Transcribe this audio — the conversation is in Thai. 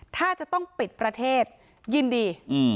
ถ้าจะต้องปิดประเทศยินดี